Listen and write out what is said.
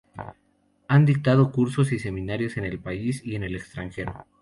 Han dictado cursos y seminarios en el país y en el extranjero.